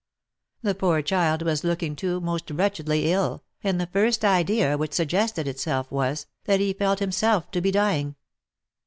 The poor child was looking, too, most wretchedly ill, and the first idea which suggested itself was, that he felt himself to be dying.